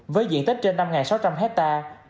với diện tích trên năm sáu trăm linh hectare